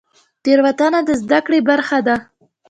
تیروتنه د زده کړې برخه ده